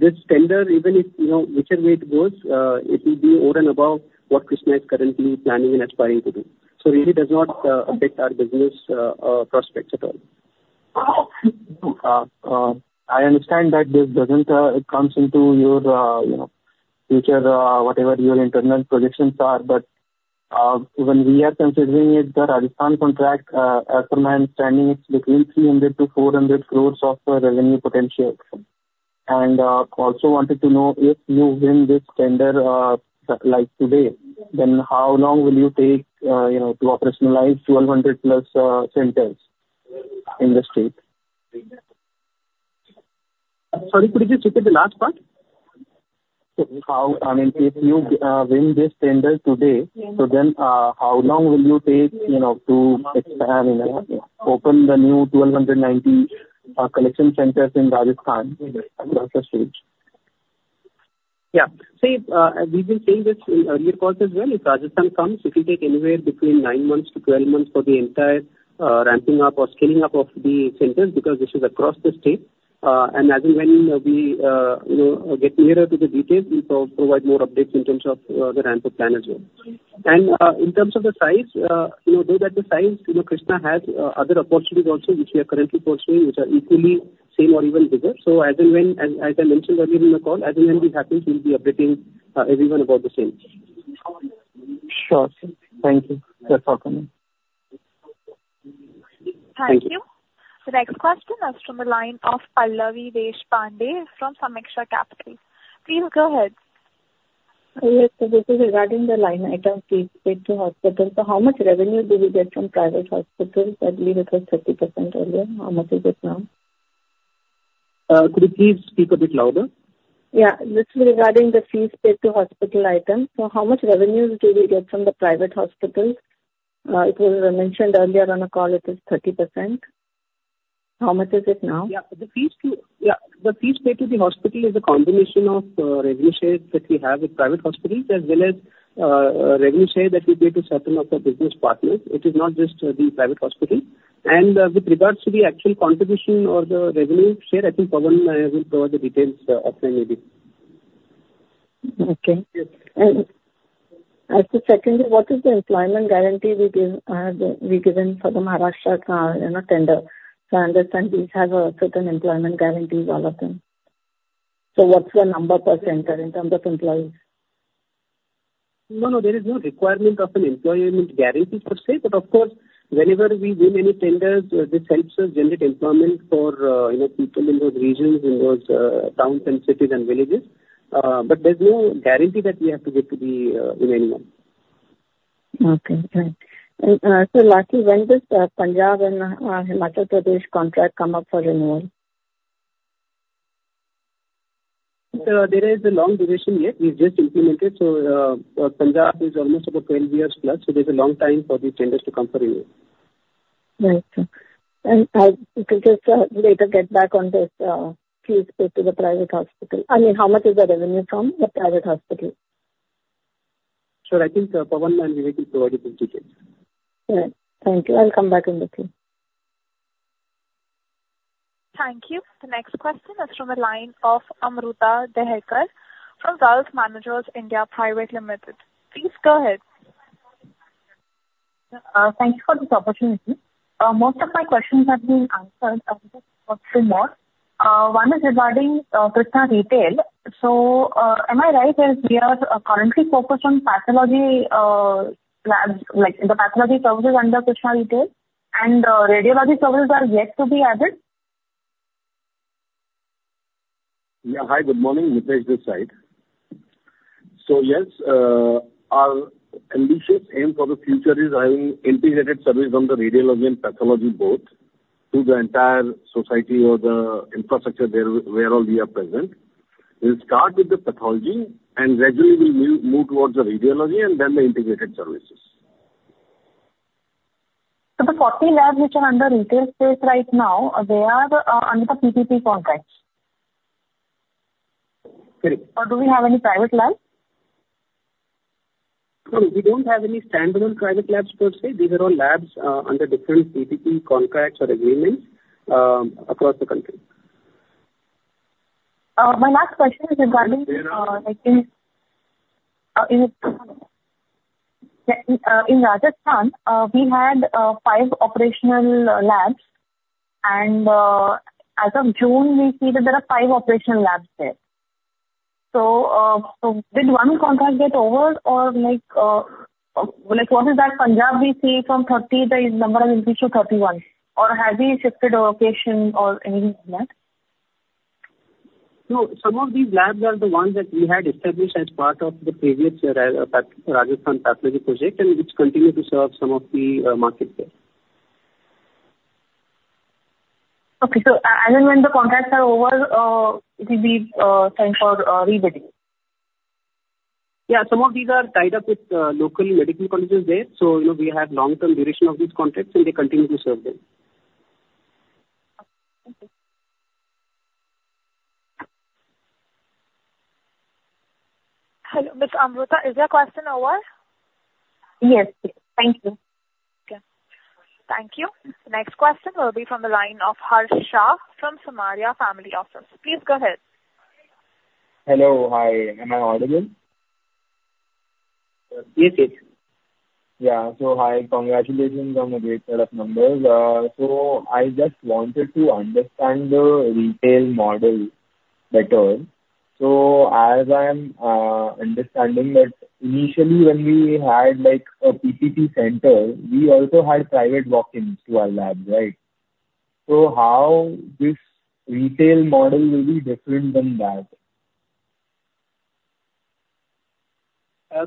C: This tender, even if, you know, whichever way it goes, it will be over and above what Krsnaa is currently planning and aspiring to do. So really does not affect our business prospects at all.
M: I understand that this doesn't comes into your, you know, future, whatever your internal projections are, but when we are considering it, the Rajasthan contract, as per my understanding, it's between 300-400 crores of revenue potential. And also wanted to know, if you win this tender, like, today, then how long will you take, you know, to operationalize 1,200+ centers in the state?
C: Sorry, could you repeat the last part?
M: How, I mean, if you win this tender today, so then, how long will you take, you know, to expand and open the new 290 collection centers in Rajasthan across the state?
C: Yeah. See, we've been saying this in earlier calls as well, if Rajasthan comes, it will take anywhere between nine months to 12 months for the entire ramping up or scaling up of the centers, because this is across the state. And as and when we, you know, get nearer to the details, we'll provide more updates in terms of the ramp-up plan as well. And in terms of the size, you know, though that the size, you know, Krsnaa has other opportunities also, which we are currently pursuing, which are equally same or even bigger. So as and when, as I mentioned earlier in the call, as and when this happens, we'll be updating everyone about the same.
M: Sure. Thank you. Thanks for calling.
A: Thank you. The next question is from the line of Pallavi Deshpande from Sameeksha Capital. Please go ahead.
N: Yes, so this is regarding the line item fees paid to hospital. So how much revenue do we get from private hospitals? Earlier it was 30% earlier. How much is it now?
C: Could you please speak a bit louder?
N: Yeah, this is regarding the fees paid to hospital item. So how much revenues do we get from the private hospitals? It was mentioned earlier on a call, it is 30%. How much is it now?
C: Yeah, the fees paid to the hospital is a combination of revenue shares that we have with private hospitals, as well as revenue share that we pay to certain of the business partners. It is not just the private hospital. With regards to the actual contribution or the revenue share, I think Pawan will provide the details offline maybe.
N: Okay. And as to secondly, what is the employment guarantee we give, we've given for the Maharashtra, you know, tender? So I understand we have certain employment guarantees, all of them. So what's the number per center in terms of employees?
C: No, no, there is no requirement of an employment guarantee per se, but of course, wherever we win any tenders, this helps us generate employment for, you know, people in those regions, in those, towns and cities and villages. But there's no guarantee that we have to give to anyone.
N: Okay, great. So Laki, when does Punjab and Himachal Pradesh contract come up for renewal?
C: There is a long duration yet. We just implemented, so, Punjab is almost about 12 years plus, so there's a long time for these tenders to come for renewal.
N: Right. And, could you just later get back on this, fees paid to the private hospital? I mean, how much is the revenue from the private hospital?
C: Sure. I think, Pawan, will be providing those details.
N: Great. Thank you. I'll come back in the queue.
A: Thank you. The next question is from the line of Amruta Deherkar from Wealth Managers (India) Private Limited. Please go ahead.
O: Thank you for this opportunity. Most of my questions have been answered. I'll just ask two more. One is regarding Krsnaa Retail. So, am I right that we are currently focused on pathology labs, like, the pathology services under Krsnaa Retail, and radiology services are yet to be added?
D: Yeah. Hi, good morning. Mitesh this side. So yes, our ambitious aim for the future is having integrated service on the radiology and pathology both to the entire society or the infrastructure where all we are present. We'll start with the pathology, and gradually we'll move towards the radiology and then the integrated services.
O: So the 40 labs which are under retail space right now, they are under the PPP contracts?
C: Correct.
O: Do we have any private labs?
C: No, we don't have any standalone private labs per se. These are all labs under different PPP contracts or agreements across the country.
O: My last question is regarding, like in Rajasthan, we had five operational labs, and as of June, we see that there are five operational labs there. So, so did one contract get over or like, like, what is that Punjab we see from 30, the number has increased to 31, or have we shifted our location or anything like that?
C: No, some of these labs are the ones that we had established as part of the previous Rajasthan pathology project, and which continue to serve some of the market there....
O: Okay, so, and then when the contracts are over, it will be time for rebidding?
C: Yeah, some of these are tied up with local medical colleges there, so, you know, we have long-term duration of these contracts, and they continue to serve them.
A: Okay. Hello, Miss Amruta, is your question over?
O: Yes. Thank you.
A: Okay. Thank you. Next question will be from the line of Harsh Shah from Samaria Family Office. Please go ahead.
P: Hello. Hi, am I audible?
C: Yes, yes.
P: Yeah. So hi, congratulations on the great set of numbers. So I just wanted to understand the retail model better. So as I am understanding that initially when we had, like, a PPP center, we also had private walk-ins to our labs, right? So how this retail model will be different than that?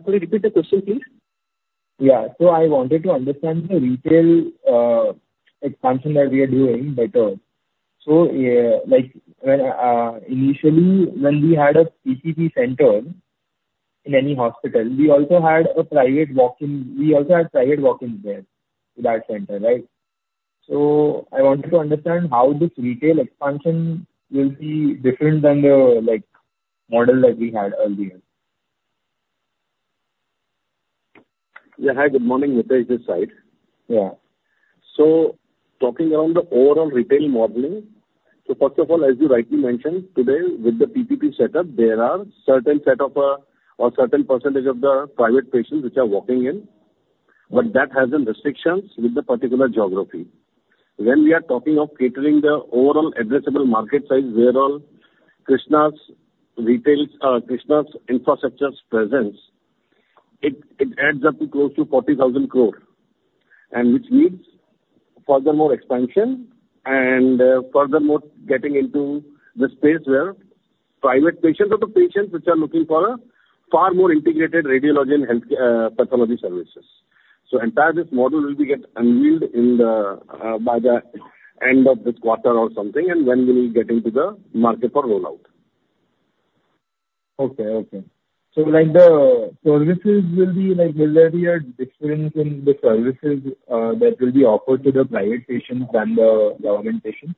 C: Could you repeat the question, please?
P: Yeah. So I wanted to understand the retail expansion that we are doing better. So, yeah, like, when initially, when we had a PPP center in any hospital, we also had a private walk-in... We also had private walk-ins there to that center, right? So I wanted to understand how this retail expansion will be different than the, like, model that we had earlier.
D: Yeah, hi, good morning, Mitesh this side. Yeah. So talking around the overall retail modeling, so first of all, as you rightly mentioned, today, with the PPP setup, there are certain set of, or certain percentage of the private patients which are walking in, but that has in restrictions with the particular geography. When we are talking of catering the overall addressable market size where all Krsnaa's retail, Krsnaa's infrastructure's presence, it, it adds up to close to 40,000 crore. And which needs furthermore expansion, and, furthermore, getting into the space where private patients or the patients which are looking for a far more integrated radiology and healthca- pathology services. So entire this model will be get unveiled in the, by the end of this quarter or something, and when we will get into the market for rollout.
P: Okay. Okay. So, like, the services will be, like, will there be a difference in the services, that will be offered to the private patients than the government patients?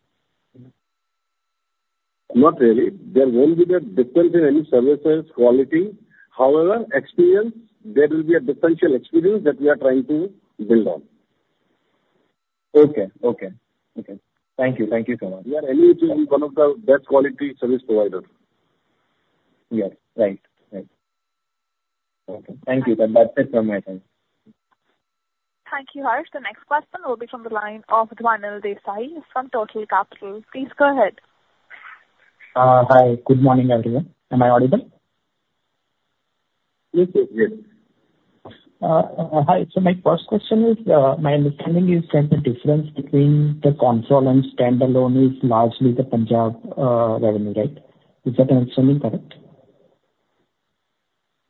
D: Not really. There won't be a difference in any services quality. However, experience, there will be a differential experience that we are trying to build on.
P: Okay. Okay. Okay. Thank you. Thank you so much.
D: We are anyways will be one of the best quality service providers.
P: Yes, right. Right. Okay. Thank you. That, that's it from my side.
B: Thank you, Harsh. The next question will be from the line of Dhwanil Desai, from Turtle Capital. Please go ahead.
Q: Hi, good morning, everyone. Am I audible?
D: Yes, yes, yes.
Q: Hi. So my first question is, my understanding is that the difference between the consolidated and standalone is largely the Punjab revenue, right? Is that understanding correct?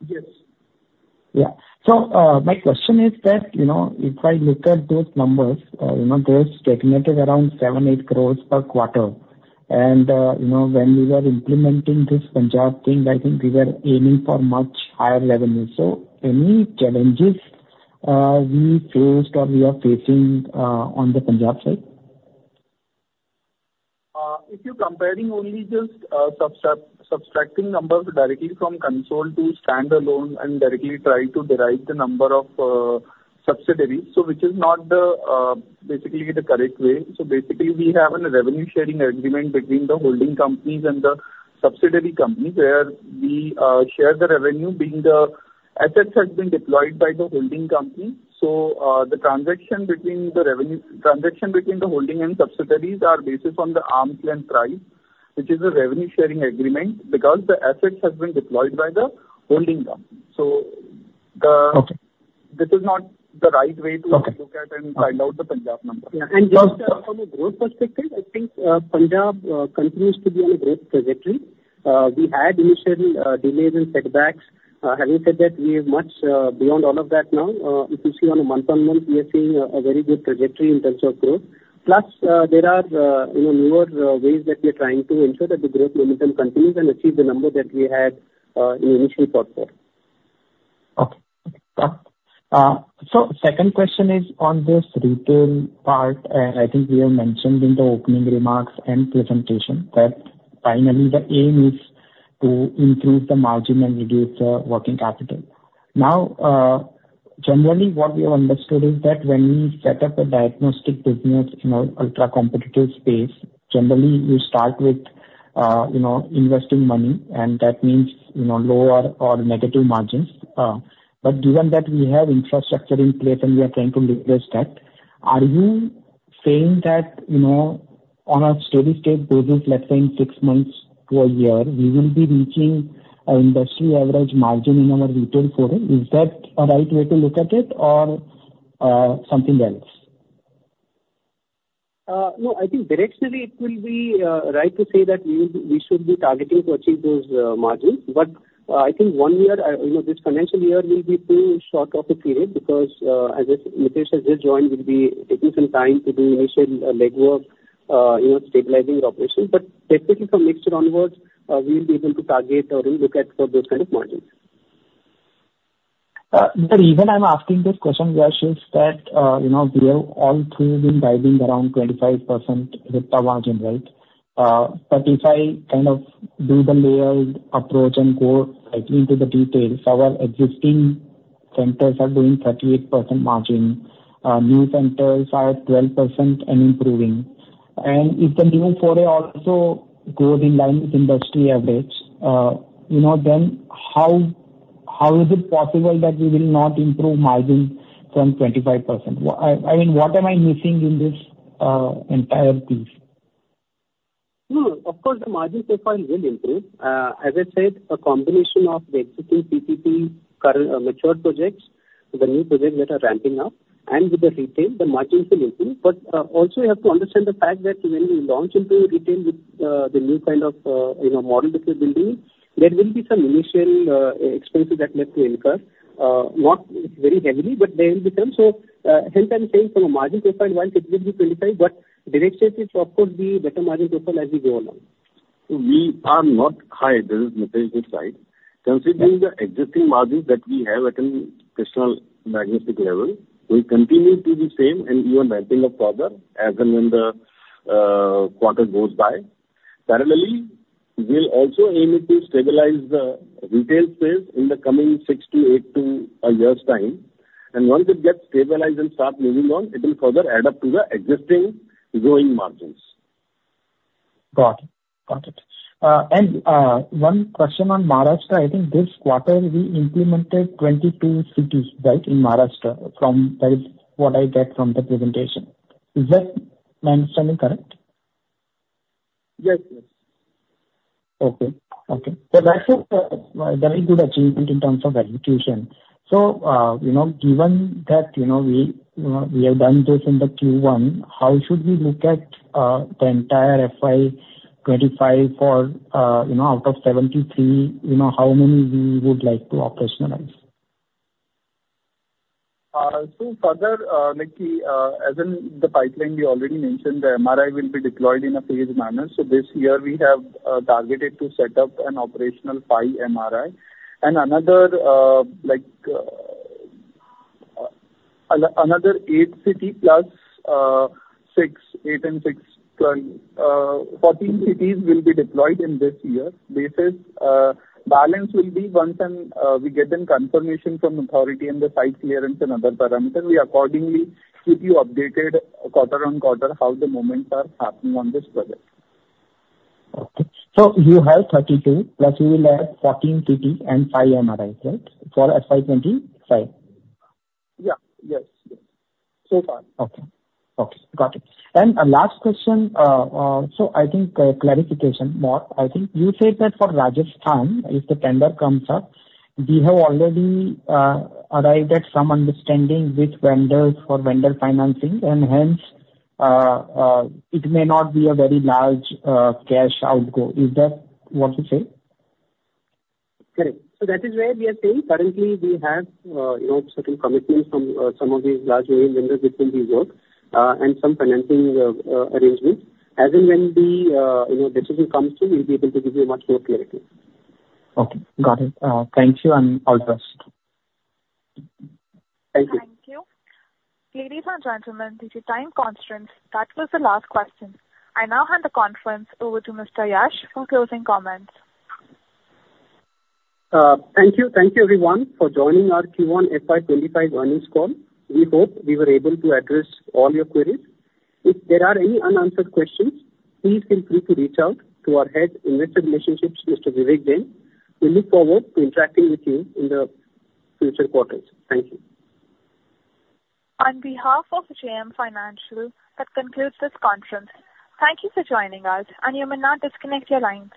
D: Yes.
Q: Yeah. So, my question is that, you know, if I look at those numbers, you know, they're stagnated around 7-8 crore per quarter. And, you know, when we were implementing this Punjab thing, I think we were aiming for much higher revenue. So any challenges we faced or we are facing on the Punjab side?
C: If you're comparing only just subtracting numbers directly from consolidated to standalone and directly try to derive the number of subsidiaries, so which is not basically the correct way. So basically, we have a revenue sharing agreement between the holding companies and the subsidiary companies, where we share the revenue being the assets has been deployed by the holding company. So the transaction between the holding and subsidiaries are based on the arm's length price, which is a revenue sharing agreement, because the assets has been deployed by the holding company. So the-
Q: Okay.
C: This is not the right way to-
Q: Okay.
C: Look at and find out the Punjab number. Yeah, and just from a growth perspective, I think, Punjab continues to be on a great trajectory. We had initially delays and setbacks. Having said that, we are much beyond all of that now. Especially on a month-on-month, we are seeing a very good trajectory in terms of growth. Plus, there are, you know, newer ways that we are trying to ensure that the growth momentum continues and achieve the number that we had initially thought for.
Q: Okay. So second question is on this retail part, and I think you have mentioned in the opening remarks and presentation, that finally the aim is to improve the margin and reduce the working capital. Now, generally, what we have understood is that when you set up a diagnostic business in an ultra-competitive space, generally you start with, you know, investing money, and that means, you know, lower or negative margins. But given that we have infrastructure in place, and we are trying to leverage that, are you saying that, you know, on a steady state basis, let's say in six months to a year, we will be reaching an industry average margin in our retail portfolio? Is that a right way to look at it or, something else?
C: No, I think directionally it will be right to say that we, we should be targeting to achieve those margins. But I think one year, you know, this financial year will be too short of a period, because as this Mitesh has just joined, we'll be taking some time to do initial legwork, you know, stabilizing the operation. But basically, from next year onwards, we'll be able to target or we look at for those kind of margins.
Q: But even I'm asking this question, Yash, is that, you know, we have all through been driving around 25% EBITDA margin, right? But if I kind of do the layered approach and go, like, into the details, our existing centers are doing 38% margin. New centers are at 12% and improving. And if the new foray also grows in line with industry average, you know, then how, how is it possible that we will not improve margin from 25%? I mean, what am I missing in this entire piece?
C: No, of course, the margin profile will improve. As I said, a combination of the existing PPP current, mature projects, the new projects that are ramping up, and with the retail, the margins will improve. But, also, you have to understand the fact that when we launch into retail with, the new kind of, you know, model that we're building, there will be some initial, expenses that we have to incur. Not very heavily, but they will be some. So, hence, I'm saying from a margin profile, while it will be 25%, but direction is of course, the better margin profile as we go along.
D: We are not high. This is Mitesh this side. Considering the existing margins that we have at a personal magnetic level, we continue to be same and even ramping up further as and when the quarter goes by. Parallelly, we'll also aim it to stabilize the retail space in the coming six to eight to a year's time. Once it gets stabilized and start moving on, it will further add up to the existing growing margins.
Q: Got it. Got it. One question on Maharashtra. I think this quarter we implemented 22 cities, right, in Maharashtra, from, that is what I get from the presentation. Is that my understanding correct?
D: Yes. Yes.
Q: Okay. Okay. So that's a very good achievement in terms of execution. So, you know, given that, you know, we, we have done this in the Q1, how should we look at the entire FY 2025 for, you know, out of 73, you know, how many we would like to operationalize?
D: So further, like, as in the pipeline, we already mentioned, the MRI will be deployed in a phased manner. So this year we have targeted to set up an operational five MRI and another, like, another eight city plus six, eight and six current 14 cities will be deployed in this year. Basis balance will be once and we get a confirmation from authority and the site clearance and other parameters, we accordingly keep you updated quarter on quarter, how the moments are happening on this project.
Q: Okay. So you have 32, plus you will add 14 cities and five MRIs, right? For FY 2025.
D: Yeah. Yes. Yes. So far.
Q: Okay. Okay, got it. And a last question, so I think, clarification more. I think you said that for Rajasthan, if the tender comes up, we have already arrived at some understanding with vendors for vendor financing, and hence, it may not be a very large cash outgo. Is that what you're saying?
C: Correct. So that is where we are saying currently we have, you know, certain commitments from, some of these large OEM vendors which will be work, and some financing, arrangements. As and when the, you know, decision comes through, we'll be able to give you much more clarity.
Q: Okay, got it. Thank you, and all the best.
C: Thank you.
A: Thank you. Ladies and gentlemen, due to time constraints, that was the last question. I now hand the conference over to Mr. Yash for closing comments.
C: Thank you. Thank you, everyone, for joining our Q1 FY25 earnings call. We hope we were able to address all your queries. If there are any unanswered questions, please feel free to reach out to our Head of Investor Relations, Mr. Vivek Jain. We look forward to interacting with you in the future quarters. Thank you.
A: On behalf of JM Financial, that concludes this conference. Thank you for joining us, and you may now disconnect your lines.